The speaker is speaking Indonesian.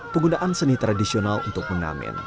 penggunaan seni tradisional untuk mengamen